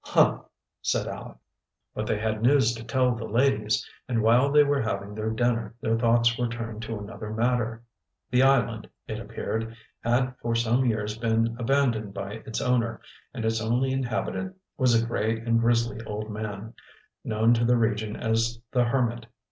"Huh!" said Aleck. But they had news to tell the ladies, and while they were having their dinner their thoughts were turned to another matter. The island, it appeared, had for some years been abandoned by its owner, and its only inhabitant was a gray and grizzly old man, known to the region as the hermit.